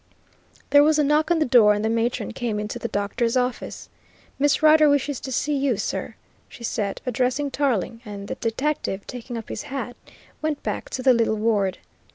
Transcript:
There was a knock on the door, and the matron came into the doctor's office. "Miss Rider wishes to see you, sir," she said, addressing Tarling, and the detective, taking up his hat, went back to the little ward.